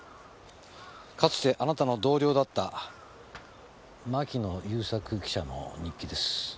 かつてあなたの同僚だった牧野雄作記者の日記です。